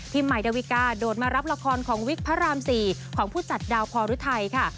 ใหม่ดาวิกาโดดมารับละครของวิกพระราม๔ของผู้จัดดาวคอรุไทยค่ะ